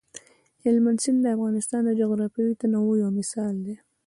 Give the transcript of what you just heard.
هلمند سیند د افغانستان د جغرافیوي تنوع یو مثال دی.